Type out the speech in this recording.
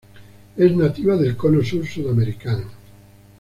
Es nativa del Cono Sur sudamericano.